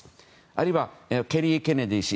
あるいはケリー・ケネディ氏。